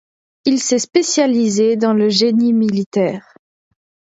Il s'est spécialisé dans le génie militaire.